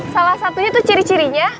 salah satunya itu ciri cirinya